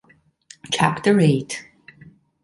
Chapter eight.